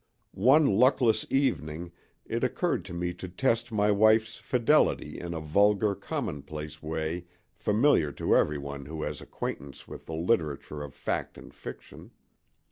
One luckless evening it occurred to me to test my wife's fidelity in a vulgar, commonplace way familiar to everyone who has acquaintance with the literature of fact and fiction.